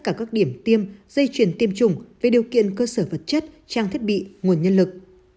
cả các điểm tiêm dây chuyển tiêm chủng về điều kiện cơ sở vật chất trang thiết bị nguồn nhân lực